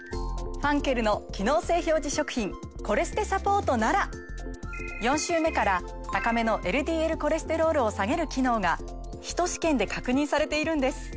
ファンケルの機能性表示食品コレステサポートなら４週目から高めのＬＤＬコレステロールを下げる機能がヒト試験で確認されているんです。